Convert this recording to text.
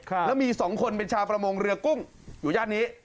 แล้วมีสองคนเป็นชาวประมงเรือกุ้งอยู่ย่านนี้